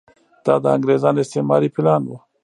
دا د انګریزانو استعماري پلان و.